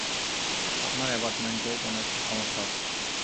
আপনার অ্যাপার্টমেন্টে কোনো একটা সমস্যা আছে।